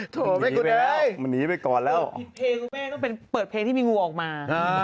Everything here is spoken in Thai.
โถมันหนีไปก่อนแล้วนี่เก่งแม่งเปิดเพลงที่มีงูออกมา